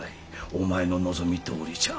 お前の望みどおりじゃ。